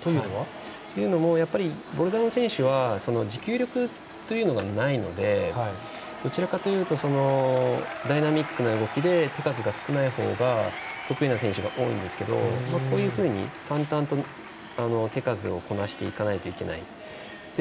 というのも、やっぱりボルダーの選手は持久力というのがないのでどちらかというとダイナミックな動きで手数が少ない方が得意な選手が多いんですけどこういうふうに淡々と手数をこなしていかないといけない。